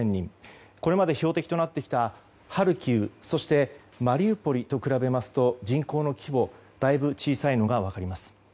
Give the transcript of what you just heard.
これまで標的となってきたハルキウ、マリウポリと比べますと人口の規模はだいぶ小さいのが分かります。